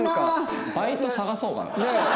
バイト探そうかな。